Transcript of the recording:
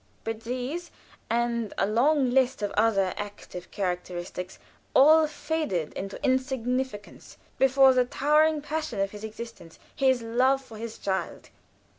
But these, and a long list of other active characteristics, all faded into insignificance before the towering passion of his existence his love for his child.